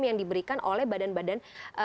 yang diberikan oleh badan badan